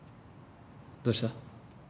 どうした？